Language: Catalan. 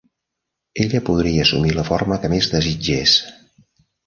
Ella podria assumir la forma que més desitgés.